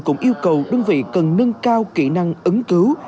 cũng yêu cầu đơn vị cần nâng cao kỹ năng ứng cứu